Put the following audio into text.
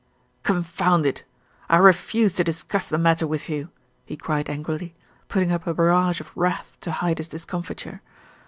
"Confound it! I refuse to discuss the matter with you," he cried angrily, putting up a barrage of wrath to hide his discomfiture.